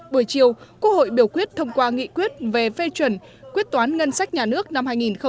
buổi chiều quốc hội biểu quyết thông qua nghị quyết về phê chuẩn quyết toán ngân sách nhà nước năm hai nghìn một mươi bảy